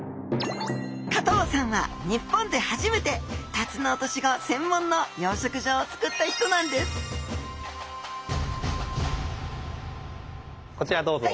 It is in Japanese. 加藤さんは日本で初めてタツノオトシゴ専門の養殖場を作った人なんですこちらどうぞ。